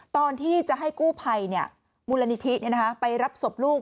ตอนที่จะให้กู้ภัยมูลนิธิไปรับศพลูก